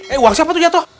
eh uang siapa tuh jatuh